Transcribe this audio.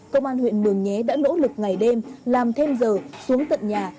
công an huyện mường nhé đã nỗ lực ngày đêm làm thêm giờ xuống tận nhà